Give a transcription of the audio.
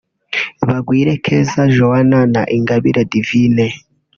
Bagwire Keza Joanah na Ingabire Divine